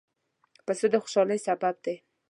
پسه د خوشحالۍ سبب دی.